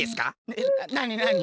えっなになに？